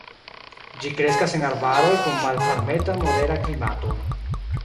Ĝi kreskas en arbaroj kun malvarmeta-modera klimato.